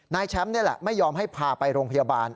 แชมป์นี่แหละไม่ยอมให้พาไปโรงพยาบาล